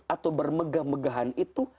atau bermegah megahan itu